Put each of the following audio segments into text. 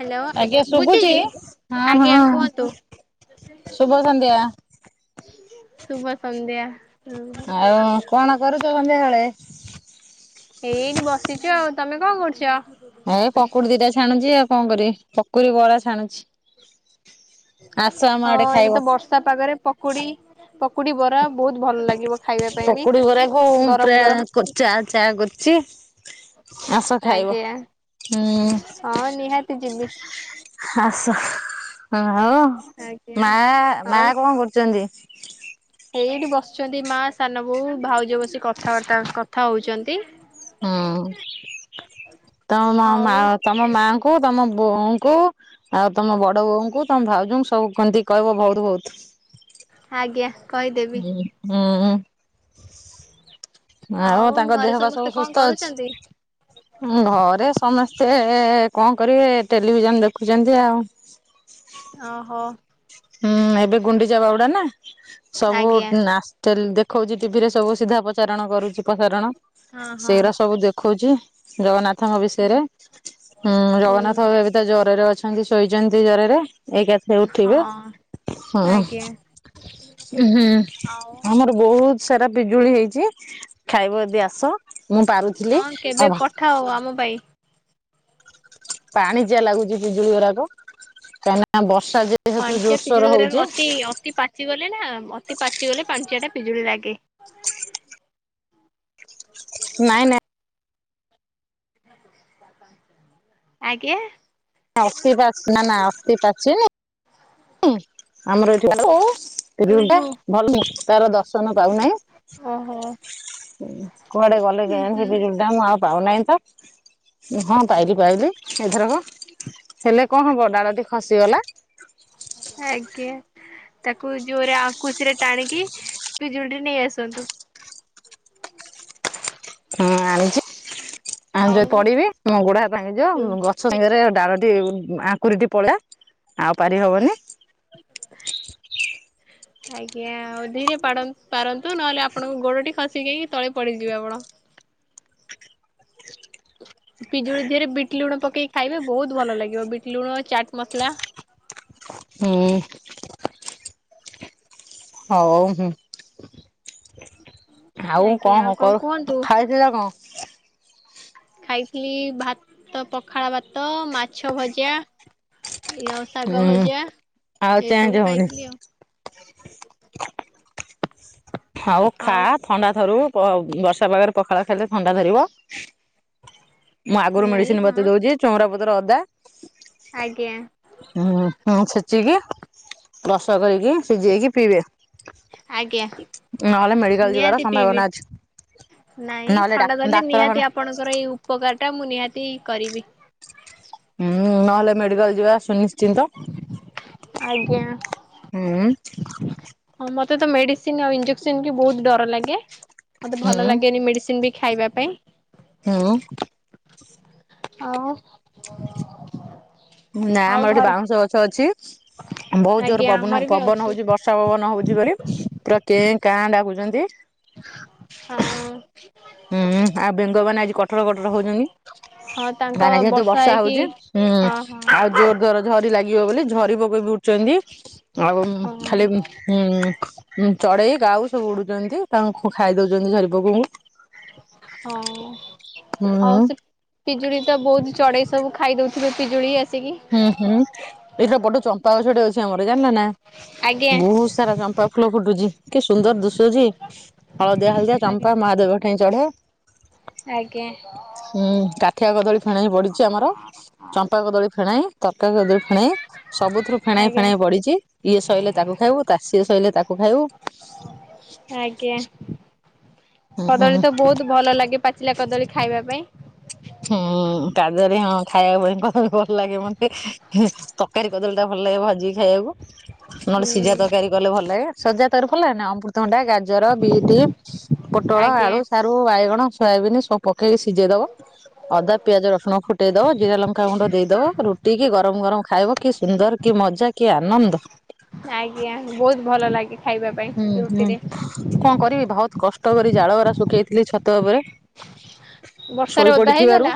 Hello ଆଜ୍ଞା ଶୁଭୁଛି ସୁବୁଚି ହଁ ଆଜ୍ଞା ହଁ। କୁହନ୍ତୁ ଶୁଭ ସନ୍ଧ୍ୟା। ଶୁଭ ସନ୍ଧ୍ୟା। ହଁ କଣ କରୁଚ ସନ୍ଧ୍ୟାବେଳେ? ଏଇଠି ବସିଚୁ ଆଉ ତମେ କଣ କରୁଚ? ଏଇ ପକୁଡ଼ି ଦିଟା ଛାଣୁଚି ଆଉ କଣ କରିବି ପକୁରି ବରା ଛାଣୁଚି। ହଁ ଏବେ ତ ବର୍ଷା ପାଗରେ ପକୁଡି ପକୁଡି ବରା ବହୁତ ଭଲ ଲାଗିବ ଖାଇବା ପାଇଁ ବି ପକୁଡି ବରାକୁ ଗରମ ଗରମ। ଚି ଆସ ଖାଇବ ଆଜ୍ଞା। ହୁଁ। ହଁ ନିହାତି ଯିବି ଆସ ହୁଁ ଆଜ୍ଞା ମା ମା ଆଉ କଣ କରୁଚନ୍ତି? ଏଇଠି ବସିଚନ୍ତି ମା, ସାନ ବୋଉ, ଭାଉଜ ବସିକି କଥାବାର୍ତ୍ତା କଥା ହଉଚନ୍ତି। ହଁ ତମ ମ ହଉ ମା ତମ ମାଙ୍କୁ ତମ ବୋଉଙ୍କୁ ଆଉ ତମ ବଡ ବୋଉଙ୍କୁ ତମ ଭାଉଜଙ୍କୁ ସବୁ ସ୍ତିଙ୍କି କହିବ ବହୁତ ବହୁତ। ଆଜ୍ଞା। କହିଦେବି ହୁଁ। ଆଉ ତାଙ୍କ ଘରେ ଦେହ ପା ସମସ୍ତେ ସବୁ କଣ ସୁସ୍ଥ ଅଛି? କରୁଛନ୍ତି? ଘରେ ସମେସ୍ତେ କଣ କରିବେ ଟେଲିଭିଜନ ଦେଖୁଚନ୍ତି ଆଉ। ଅ ହ। ହୁଁ ଏବେ ଗୁଣ୍ଡିଚା ବାହୁଡା ନା ସବୁ ଆଜ୍ଞା ନା ଟେଲ ଦେଖଉଚି ଟିଭି ରେ ସବୁ ସିଧା ପ୍ରଚାରଣ କରୁଚି ପ୍ରସାରଣ। ହଁ ହଁ ସେଇରା ସବୁ ଦେଖଉଚି ଜଗନ୍ନାଥଙ୍କ ବିଷୟରେ। ହୁଁ ହୁଁ। ଜଗନ୍ନାଥ ଏଭ ଏବେ ତ ଜରରେ ଅଛନ୍ତି ଶୋଇଛନ୍ତି ଜରରେ ଏଇକାଥେ ଉଠିବେ। ହଁ ହଁ ଆଜ୍ଞା ହୁଁ ଆଉ ଆମର ବହୁତ ସାରା ପିଜୁଳି ହେଇଚି ଖାଇବ ଯଦି ଆସ। ମୁଁ ପାରୁଥିଲି ହଁ ଆଉ କେବେ ପଠାଅ ଆମ ପାଇଁ। ପାଣିଚିଆ ଲାଗୁଚି ପିଜୁଳି ଗୁରାକ କାହିଁନା ବର୍ଷା ଯ ପାଣିଚିଆ ପିଜୁଳି ଅତି ଅତି ପାଚି ଗଲେ ନା ଅତି ପାଚିଗଲେ ପାଣିଚିଆ ଟା ପିଜୁଳି ଲାଗେ। ନାଇଁ ନାଇଁ ଆଜ୍ଞା। ଅସି ପାଚି ନା ନା ଅତି ପଚିନେ ଆମର ଏଠି। ଏଇ [unintelligible] [unintelligible] ଯୋଉ ଭଲ ତାର ଦର୍ଶନ ଓହୋ ପାଉନାହିଁ। କୁଆଡେ ଗଲେ ହୁଁ କେଜାଣି ହୁଁ ହେବେ ଯୋଉ ନା ମୁଁ ଆଉ ପାଉନାହିଁ ତ ହଁ ଟାଇଲ ପାଇଲିି ଏ ଥରକ। ହେଲେ କଣ ହବ ଡାଳଟି ଖସି ଗଲା। ଆଜ୍ଞା ତାକୁ ଜୋରେ ଆଉ ଖୁସିରେ ଟାଣିକି ପିଜୁଳିଟି ନେଇ ଆସନ୍ତୁ। ହଁ ଆଣୁଚି ଆଁ ଆଉ ଯ ପଡିବି ମୋ ଗୋଡ଼ ହା ଭାଙ୍ଗି ଯିବ ମୁଁ ଗ ସମଙ୍ଗରେ ଡାଳଟି ଆଙ୍କୁରିଟି ପଳେଇଲା ଆଉ ପାରି ହବନି ଆଜ୍ଞା ଆଉ ଧୀରେ ପାଡ଼ ପାରନ୍ତୁ ନହେଲେ ଆପଣଙ୍କ ଗୋଡଟି ଖସିକି ତଳେ ପଡିଯିବେ ଆପଣ। ପିଜୁଳି ଧିଅରେ ବିଟ ଲୁଣ ପକି ଖାଇବେ ବହୁତ ଭଲ ଲାଗିବ ବିଟ ଲୁଣ ଚାଟ୍ ମସଲା। ହୁଁ। ହଉ ହୁଁ। ଆଉ କଣ ହ କର ଖାଇଥିଲ କଣ? ଖାଇଥିଲି ଭାତ ପଖାଳ ଭାତ ମାଛ ଭଜା ଏୟା ଆଉ ଶାଗ ହୁଁ ଭଜା ଆଉ ଚେଞ୍ଜ ଏସବୁ ହଉନି ଖାଇଥିଲି ଆଉ। ହଉ ଖା ଆଉ ଥଣ୍ଡା ଧରୁ ବ ବର୍ଷା ପାଗରେ ପଖାଳ ଖାଇଲେ ଥଣ୍ଡା ଧରିବ। ମୁଁ ଆଗରୁ ନାଇଁ ମେଡିସିନ ହଁ ବତେଇ ଦଉଚି ଚଉଁରାପତର ଅଦା ଆଜ୍ଞା। ହୁଁ, ହୁଁ, ଛେଚିକି ରସ କରିକି ସିଝେଇକି ପିଇବେ। ଆଜ୍ଞା। ନହେଲେ ମେଡିକାଲ ଯିବାର ନିହାତି ସମ୍ଭାବନା ପିଇବି, ଅଛି ନାଇଁ ନହେଲେ ଥଣ୍ଡା ଧରିଲେ ଡାକ୍ତରଖାନା ନିହାତି ଆପଣଙ୍କର ଏଇ ଉପକାରଟା ମୁଁ ନିହାତି କରିବି। ହୁଁ ନହେଲେ ମେଡିକାଲ ଯିବା। ସୁନିଶ୍ଚିନ୍ତ ଆଜ୍ଞା ହୁଁ। ହଁ ମତେ ତ ମେଡିସିନ ଆଉ ଇଞ୍ଜେକ୍ସନ କି ବହୁତ ଡର ଲାଗେ, ମତେ ହୁଁ ଭଲ ଲାଗେନି ମେଡିସିନ ବି। ଖାଇବା ପାଇଁ। ହୁଁ। ଆଉ ନାଁ ଆଉ ଆମର ଏଠି ଘରେ ବାଉଁଶଗଛ ଅଛି ବହୁତ ଜୋର ଆଜ୍ଞା ପବନ ଆମର ବି ପବନ ଅଛି ହଉଛି ବ ର୍ଷା ପବନ ହଉଛି ବୋଲି ପୁରା କେଁ କାଁ ଡାକୁୁଛନ୍ତି। ହଁ। ହୁଁ ଆଉ ବେଙ୍ଗମାନେ ଆଜି କଟର କଟର ହଁ ତାଙ୍କ ହଉଛନ୍ତି। ମାନେ ଯେହେତୁ ବର୍ଷା ହେଇକି ହଉଛି ହୁଁ ହଁ ହଁ ଆଉ ଜୋରଜୋର ଝରି ଲାଗିବ ବୋଲି ଝରି ପୋକ ବି ଉଡୁଛନ୍ତି ଆଉ ଖାଲି ହଁ ହୁଁ, ଚଢେଇ, କାଉ ସବୁ ଉଡୁଛନ୍ତି ତାଙ୍କୁ ଖାଇ ଦଉଛନ୍ତି ଝରିପୋକଙ୍କୁ। ହଁ ହୁଁ ଆଉ ସେ ପିଜୁଳି ତ ବହୁତ ଚଢେଇ ସବୁ ଖାଇଦଉଥିବେ ପିଜୁଳି ଆସିକି। ହୁଁ ହୁଁ ଏଇଟା ବଡ ଚମ୍ପାଗଛଟେ ଅଛି ଆମର ଜାଣିଲ ନା ଆଜ୍ଞା ବହୁତ ସାରା ଚମ୍ପା ଫୁଲ ଫୁଟୁଛି। କି ସୁନ୍ଦର ଦୁଶୁଛି! ହଳଦିଆ ହଳଦିଆ ଆଜ୍ଞା ଚମ୍ପା ମହାଦେବ ଠାଇଁ ଚଢେ। ଆଜ୍ଞା ହୁଁ, କାଠିଆ କଦଳୀ ଫେଣେ ପଡିଛି ଆମର। ଚମ୍ପା କଦଳୀ ଫେଣେ, ଚାରିଟା କଦଳୀ ଫେଣେ ସବୁଥିରୁ ଫେଣେ ଆଜ୍ଞା ଫେଣେ ପ ଡିଛି। ଇଏ ସଇଲେ ତାକୁ ଖାଇବୁ, ତାସ-ସିଏ ସଇଲେ ତାକୁ ଖାଇବୁ। ଆଜ୍ଞା। ହୁଁ ହୁଁ କଦଳୀ ତ ବହୁତ ଭଲ ଲାଗେ ପା ଚିଲା କଦଳୀ ଖାଇବା ପାଇଁ। ହଁ। ପାଗରେ ହଁ ଖାଇବା ପାଇଁ ଭଲ ଲାଗେ ମତେ। ତରକାରୀ କଦଳୀଟା ଭଲ ଲାଗେ ଭାଜିକି ଖାଇବାକୁ। ନହେଲେ ହୁଁ ସିଝା ତରକାରୀ କଲେ ଭଲ ଲାଗେ। ସଜ ତରକାରୀ ଭଲ ଲାଗେ ନା? ଅମୃତଭଣ୍ଡା, ଗାଜର, ବିଟ। ପୋଟଳ, ଆଜ୍ଞା। ଆଳୁ, ସାରୁ, ବାଇଗଣ, ସୋୟାବିିନ ସବୁ ପକେଇକି ସିଝେଇଦବ। ଅଦା, ପିଆଜ, ରସୁଣ ଫୁଟେଇଦବ। ଜିରା, ଲଙ୍କା ଗୁଣ୍ଡ ଦେଇଦବ। ରୁଟି କି ଗରମ ଗରମ ଖାଇବ। କି ସୁନ୍ଦର! କି ମଜା! କି ଆନନ୍ଦ! ଆଜ୍ଞା। ବହୁତ ଭଲ ଲାଗେ ଖାଇବା ପାଇଁ ହୁଁ ହୁଁ ରୁଟିରେ। କଣ କରିବି? ବହୁତ କଷ୍ଟ କରି ଜାଳଗୁରା ଶୁଖେଇଥିଲି ଛାତ ଉପରେ। ବର୍ଷାରେ ଶୋଇ ଓଦା ପଡିଥିବାରୁ ହେଇଗଲା।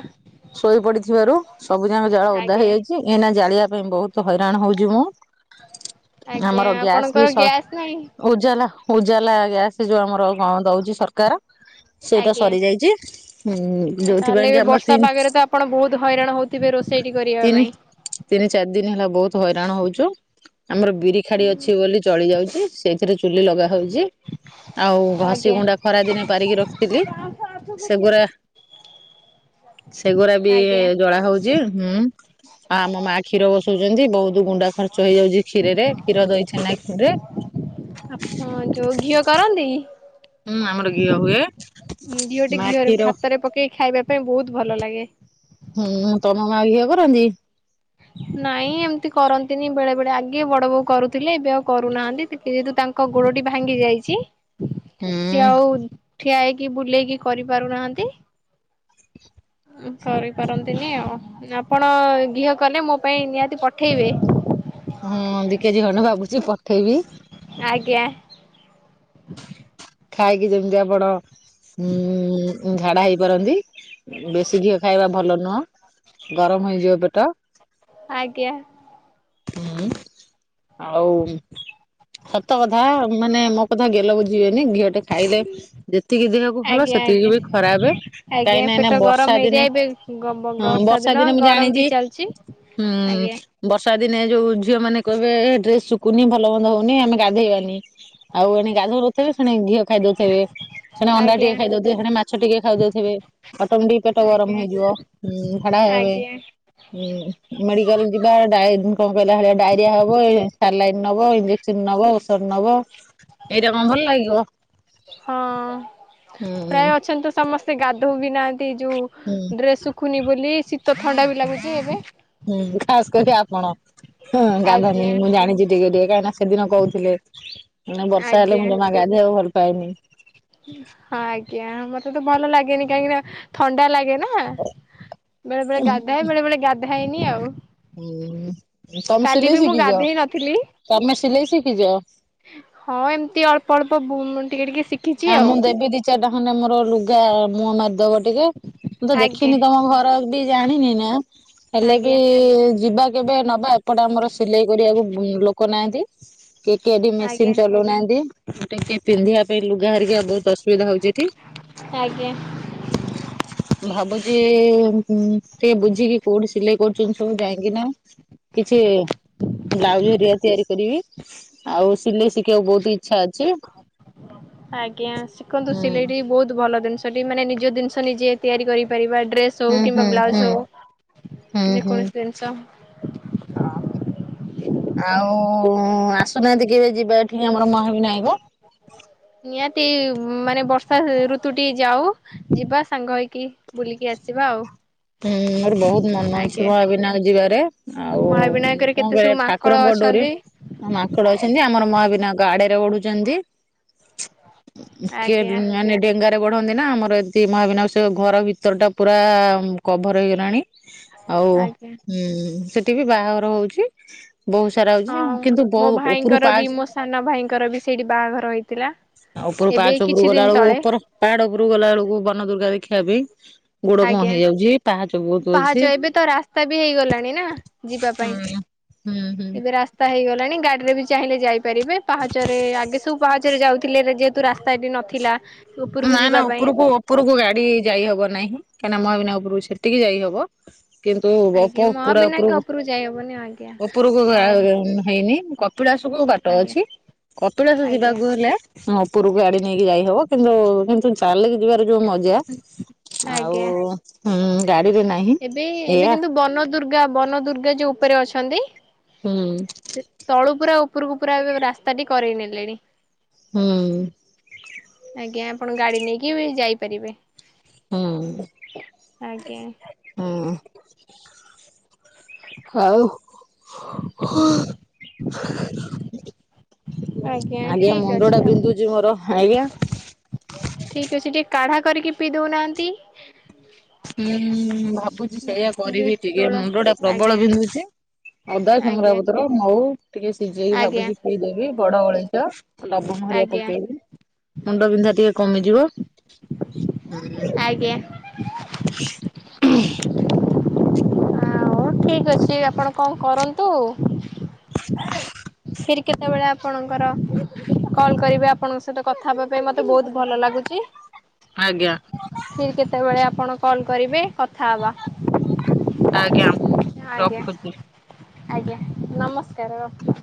ଶୋଇ ପଡିଥିବାରୁ ସବୁଯାକ ଜାଳ ଓଦା ଆଜ୍ଞା ହେଇଯାଇଛି। ଏଇନା ଜାଳିବା ପାଇଁ ବହୁତ ହଇରାଣ ହଉଛି ମୁଁ। ଆମର ଗ୍ୟାସ୍ ବି ସ ନାଇଁ। ଉଜାଲା ଉଜାଲା ଗ୍ୟାସ ଯୋଉ ଆମର କଣ ଦଉଛି ସରକାର। ସେଇଟା ଆଜ୍ଞା। ସରି ଯାଇଛି। ଉଁ ତାହେଲେ ଯୋଉଥିପାଇଁ କି ଆମ ତିନି ଥିବେ ରୋଷେଇଟି କରିବା ପାଇଁ। ତିନିଚାରି ଦିନ ହେଲା ବହୁତ ହଇରାଣ ହଉଛୁ। ଆମର ବିରିଖାଡି ଅଛି ବୋଲି ଚଳିଯାଉଛି। ସେଇଥିରେ ଚୁଲି ଲଗାହଉଛି। ଆଉ ଆଜ୍ଞା ଘଷିଗୁଣ୍ଡା ଖରାଦିନେ ପାରିକି ରଖିଥିଲି। [unintelligible] ସେଗୁଡା ବି ଆଜ୍ଞା ଜଳାହଉଛି। ହୁଁ। ଆ ଆମ ମା କ୍ଷୀର ବସଉଛନ୍ତି। ବହୁତ ଗୁଣ୍ଡା ଖର୍ଚ୍ଚ ହେଇଯାଉଛି କ୍ଷୀରରେ। କ୍ଷୀର, ଦହି, ଛେନା, କ୍ଷୀରରେ। ହଁ, ଯୋଉ ଘିଅ କରନ୍ତି? ହୁଁ, ଆମର ଘିଅ ହୁଏ। ହୁଁ। ଘିଅଟି ମା ଘିଅରେ କ୍ଷୀର ଭାତରେ ପକେଇକି ଖାଇବା ପାଇଁ ବହୁତ ଭଲ ଲାଗେ। ହୁଁ। ତମ ମା ଘିଅ କରନ୍ତି? ନାଇଁ ଏମିତି କରନ୍ତିନି। ବେଳେ ବେଳେ ଆଗେ ବଡ଼ ବୋଉ କରୁଥିଲେ। ଏବେ ଆଉ କରୁନାହାନ୍ତି। କିଏ ଯଦି ତାଙ୍କୁ ଙ୍କ ଗୋଡଟି ଭାଙ୍ଗି ଯାଇଛି। ହୁଁ ସିଏ ଆଉ ଠିଆ ହେଇ କି ବୁଲେଇକି କରି ପାରୁନାହାନ୍ତି। କରିପାରନ୍ତିନି ଆଉ। ଆପଣ ଘିଅ କଲେ ମୋ ପାଇଁ ନିହାତି ପଠେଇବେ। ହଁ। ଦି କେଜି ଖଣ୍ଡେ ଭାବୁଛି ପଠେଇବି। ଆଜ୍ଞା। ଖାଇକି ଯେମିତି ଆପଣ ଉଁ-ଉଁ-ଝାଡା ହେଇପାରନ୍ତି। ବେଶୀ ଘିଅ ଖାଇବା ଭଲ ନୁହଁ। ଗରମ ହେଇଯିବ ପେଟ। ଆଜ୍ଞା। ହୁଁ। ଆଉ ସତ କଥା। ମାନେ ମୋ କଥା ଗେଲ ବୁଝିବେ ନି। ଘିଅଟା ଖାଇଲେ ଯେତିକି ଦେହକୁ ଭଲ ଆଜ୍ଞା ଆଜ୍ଞା ସେତିକି ବି ଖରାପ। କାଇଁନେ ଏଇନା ବର୍ଷା ଦିନେ ହଁ ଗ-ବ-ବର୍ଷା ବର୍ଷା ଦିନ, ଦିନେ ମୁଁ ଗରମ ବି ଜାଣିଛି ଚାଲିଛି। ଆଜ୍ଞା। ହୁଁ ବର୍ଷା ଦିନେ ଯୋଉ ଝିଅ ମାନ କହିବେ, ହେ ଡ୍ରେସ ଶୁକୁନି, ଭଲ ମନ୍ଦ ହଉନି, ଆମେ ଗାଧେଇବାନି। ଆଉ ଏଣେ ଗାଧଉନଥିବେ, ସେଣେ ଘିଅ ଖାଇଦଉଥିବେ, ସେଣେ ଅଣ୍ଡା ଆଜ୍ଞା ଟିକଏ ଖାଇଦଉ ଥିବେ, ପୁଣି ମାଛ ଟିକେ ଖାଇଦଉଥିବେ। ଅଟମେଟିକ ପେଟ ଗରମ ଆଜ୍ଞା ହେଇଯିବ ଝାଡା ହେବେ। ଆଜ୍ଞା ହଁ ମେଡିକାଲ ଯିବା ଡାଇ କଣ କହିଲା ହେଟା ଡାଇରିଆ ହବ ଏଇ ସଲାଇନ୍ ନବ ଇଞ୍ଜେସ ସନ୍ ନବ ଔଷଧ ନବ। ହଁ ଭଲ ଲାଗିବ। ହଁ ହୁଁ ପ୍ରାୟ ଅଛନ୍ତି ତ ସମସ୍ତେ ଗାଧୋଉ ବି ନାହାନ୍ତି ଯୋଉ ହୁଁ ଡ୍ରେସ ଶୁଖୁନି ବୋଲି ଶୀତ ଥଣ୍ଡା ବି ଲାଗୁଛି ଏବେ। ହୁଁ ଖାସ୍ କରି ଆପଣ ହୁଁ ଗାଧନି ଆଜ୍ଞା ମୁଁ ଜାଣିଛି ଟିକେ-ଟିକେ କାହିଁକି ନା ସେଦିନ କହୁଥିଲେ ମାନେ ବର୍ଷା ହେଲେ ଆଜ୍ଞା ମୁଁ ଜମା ଗାଧେଇବାକୁ ଭଲ ପାଏନି। ହଁ ଆଜ୍ଞା ମତେ ତ ଭଲ ଲାଗେନି କାହିଁକି ନା ଥଣ୍ଡା ଲାଗେ ନା। ଆଁ ବେଳେ-ବେଳେ ଗାଧଏ ବେଳେ-ବେଳେ ଗାଧାଏନି ଆଉ। ହୁଁ ତମେ କାଲି ବି ସିଲେଇ ମୁଁ ଗାଧେଇ ନଥିଲି ଶିଖିଛ-ତମେ ସିଲେଇ ଶିଖିଛ? ହଁ ଏମତି ଅଳ୍ପ-ଅଳ୍ପ ଟିକେ ଟିକେ ସିଖ ଆଁ ମୁଁ ଦେବି ଦି ଚାରିଟା ଖଣ୍ଡେ ମୋର ଲୁଗା ମୁହଁ ମାରିଦବ ଟିକେ ମୁଁ ତ ଆଜ୍ଞା ଦେଖିନି ତମ ଘର ବି ଜାଣିନି ନା ହେଲେ ବି ଆଜ୍ଞା ଯିବା। କେବେ ନବା ଏପଟେ ଆମର ସିଲେଇ କରିବାକୁ ଲୋକ ନାହାନ୍ତି। କେ-କେ ଏଠି ମେସିନ ଆଜ୍ଞା ଚଲଉନାହାନ୍ତି। ଟିକେ ପିନ୍ଧିବା ପାଇଁ ଲୁଗା ହେରିକା ବହୁତ ଅସୁବିଧା ହଉଛି ଏଠି। ଆଜ୍ଞା। ଭାବୁଛି ଟିକେ ବୁଝିକି କୋଉଠି ସିଲେଇ କରୁଛନ୍ତି ସବୁ ଯାଇଁକି ନା। କିଛି ବ୍ଲାଉଜ ହରିଆ ତିଆରି କରିବି। ଆଉ ସିଲେଇ ଶିଖିବାକୁ ବହୁତ ଇଚ୍ଛା ଅଛି। ଆଜ୍ଞା ଶିଖନ୍ତୁ ହୁଁ ସିଲେଇଟି ବହୁତ୍ ଭଲ ଜିନିଷ। ଟି ମାନେ ନିଜ ଜିନିଷ ନିଜେ ତିଆରି କରିପାରିବା ଡ୍ରେସ୍ ହଉ ହୁଁ ହୁଁ କିମ୍ବା ହୁଁ ବ୍ଲାଉଜ ହଉ ଯେକୌଣସି ଜିନିଷ। ହଁ ଆଉ ଆସୁନାହାନ୍ତି କେବେ ଯିବା ଏଠି ଆମର ମହାବିନାୟକ। ନିହାତି ମାନେ ବର୍ଷା ଋତୁଟି ଯାଉ। ଯିବା ସାଙ୍ଗ ହେଇକି ବୁଲିକି ଆସିବା ଆଉ। ହୁଁ ମୋର ବହୁତ୍ ମନ ଅଛି ଆଜ୍ଞା ମହାବିନାୟକ ଯିବାରେ। ଆଉ ମହାବିନାୟକରେ କଣ କେତେ ସବୁ କରିଆ ମାଙ୍କଡ ଠାକୁରଙ୍କ ଡୋରି ଅଛନ୍ତି। ହଁ ମାଙ୍କଡ ଅଛନ୍ତି ଆମର ମହାବିନାୟକ ଆଡରେ ଉଡୁଛନ୍ତି। କେ ଆଜ୍ଞା ମାନେ ଡେଙ୍ଗା ଗଟେ ବଢ଼ନ୍ତି ନା ଆମର ଏମନ୍ତି ମହାବିନାୟକ ସେ ଘର ଭିତର ଟା ପୁରା କଭର ହେଇଗଲାଣି। ଆଉ ଆଜ୍ଞା ହୁ ସେଠି ବି ବାହାଘର ହଉଛି। ବହୁତ ସାରା ହଉଛି ହଁ କିନ୍ତୁ ମୋ ବହୁ ଉପରୁ ଭାଇଙ୍କର ବି ପାହାଚ ମୋ ସାନ ଭାଇଙ୍କର ବି ସେଇଠି ବାହାଘର ହେଇଥିଲା। ଆଉ ଉପରୁ ଏବେ ପାହାଚ ଉପରୁ କିଛି ଗଲା ଦିନ ବେଳକୁ ତଳେ ଉପର ପାହାଡ ଉପରୁ ଗଲା ବେଳକୁ ବନ ଦୁର୍ଗା ଦେଖିବା ପାଇଁ ଗୋଡ କଣ ଆଜ୍ଞା ହେଇଯାଉଛି। ପାହାଚ ବହୁତ ଅଛି ପାହାଚ ଏବେ ତ ରାସ୍ତା ବି ହେଇଗଲାଣି ନା ଯିବା ହୁଁ ପାଇଁ ହୁଁ ହୁଁ ଏବେ ରାସ୍ ତା ହେଇଗଲାଣି ଗାଡିରେ ବି ଚାହିଁଲେ ଯାଇପାରିବେ ପାହାଚରେ ଆଗେ ସବୁ ପାହାଚରେ ଯାଉଥିଲେ ରେଜେଟ ତୁ ରାସ୍ତା ଏଠି ନଥିଲା। ଉପରକୁ ନା-ନା ଯିବା ପାଇଁ ଉପରକୁ-ଉପରକୁ ଗାଡି ଯାଇହବ ନାହିଁ। କାହିଁକିନା ମହାବିନାୟକ ଉପରକୁ ସେତିକି ଯାଇହବ। [inaudible] କିନ୍ତୁ ଅପା ଆଜ୍ଞା ପୁରା ମହାବିନାୟକ ଉପରକୁ ଯାଇହବନି ଆଜ୍ଞା ଉପରକୁ-ଉପରକୁ ଆ ହଉ ହେଇନି। କପିଳାସ କୁ ବାଟ ଆଜ୍ଞା ଅଛି, କପିଳାସ ଆଜ୍ଞା। ଯିବାକୁ ହେଲେ ଉପରକୁ ଗାଡି ନେଇକି ଯାଇହବ। କିନ୍ତୁ-କିନ୍ତୁ ଚାଲିକି ଯିବାର ଯୋଉ ମଜା ଆଉ ଗାଡିରେ ନାହିଁ। ଏବେ-ଏବେ ଏଇଆ କିନ୍ତୁ ବନ ଦୁର୍ଗା ବନ ଦୁର୍ଗା ଯୋଉ ଉପରେ ଅଛନ୍ତି। ହୁଁ। ସେ ତଳୁ ପୁରା ଉପରକୁ ପୁରା ଏବେ ରାସ୍ତାଟି କରେଇ ନେଲେଣି। ହୁଁ। ଆଜ୍ଞା ଆପଣ ଗାଡି ନେଇକି ବି ଯାଇପାରିବେ। ହୁଁ। ଆଜ୍ଞା। ହୁଁ ଆଉ ଆଜ୍ଞା ଠିକ ମୁଣ୍ଡ ଅଛି ଟା ଆଉ ବିନ୍ଧୁଛି ମୋର ହ ଆଜ୍ଞା ଠିକ ଅଛି ଟିକେ କାଢା କରିକି ପିଇ ଦଉନାହାନ୍ତି। ହୁଁ ଭାବୁଛି ସେଇଆ ଯେ କରିବି ଟିକେ ତୋଳା ମୁଣ୍ଡ ଟା ପ୍ରବଳ ଆଜ୍ଞା ବିନ୍ଧୁଛି। ଅଦା ଆଜ୍ଞା ସୁଙ୍ଗରାପତ୍ର ମହୁ ଟିକେ ସିଝେଇକି ଆଜ୍ଞା। ଭାବୁଛି ପିଇଦେବି ବଡ ଅଳେଇଚ ଲବଙ୍ଗ ହେରିକା ଆଜ୍ଞା ପକେଇକି ମୁଣ୍ଡ ବିନ୍ଧା ଟିକେ କମିଯିବ। ହୁଁ ଆଜ୍ଞା। [unintelligible] ଆଉ ଉ--ଠିକ ଅଛି ଆପଣ କଣ କରନ୍ତୁ। ଫିର କେତେ ବଳେ ଆପ ଆପଣଙ୍କର କଲ୍ କରିବେ ଆପଣଙ୍କ ସହିତ କଥା ହେବା ପାଇଁ ମୋତେ ବହୁତ ଭଲ ଲାଗୁଛି। ହାଜ୍ଞା। ଫିର କେତେବେଳେ ଆପଣ କଲ କରିବେ କଥା ହେବା। ଆଜ୍ଞା ଆଜ୍ଞା ରଖୁଛି। ଆଜ୍ଞା ନମସ୍କାର ରଖୁଛି।